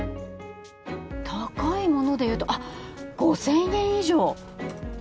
高いものでいうと５０００円以上。